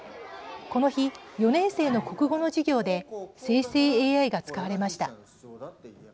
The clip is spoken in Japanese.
この日４年生の国語の授業で生成ＡＩが使われました。